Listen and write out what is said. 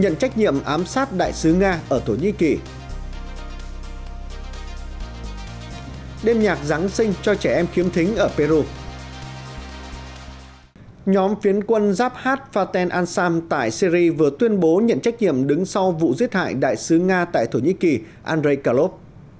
nhóm phiến quân giáp faten ansam tại syri vừa tuyên bố nhận trách nhiệm đứng sau vụ giết hại đại sứ nga tại thổ nhĩ kỳ andrei kalov